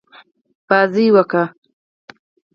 لوبه وکړي.